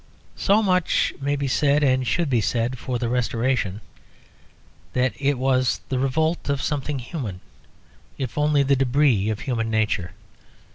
So much may be said and should be said for the Restoration, that it was the revolt of something human, if only the debris of human nature.